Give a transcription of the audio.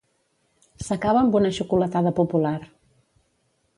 S'acaba amb una xocolatada popular.